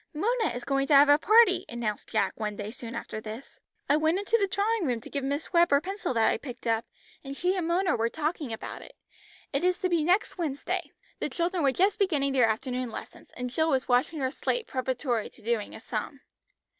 "Mona is going to have a party," announced Jack one day soon after this. "I went into the drawing room to give Miss Webb her pencil that I picked up, and she and Mona were talking about it. It is to be next Wednesday." The children were just beginning their afternoon lessons; and Jill was washing her slate preparatory to doing a sum.